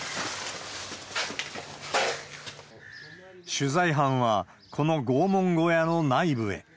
取材班は、この拷問小屋の内部へ。